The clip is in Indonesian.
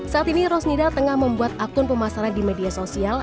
saat ini rosnida tengah membuat akun pemasaran di media sosial